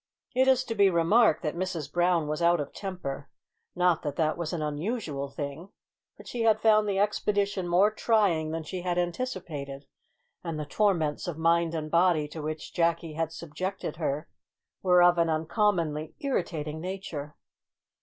It is to be remarked that Mrs Brown was out of temper not that that was an unusual thing; but she had found the expedition more trying than she had anticipated, and the torments of mind and body to which Jacky had subjected her were of an uncommonly irritating nature.